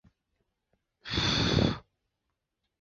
伯尔尼为澳大利亚塔斯马尼亚州西北部的一个海港小镇。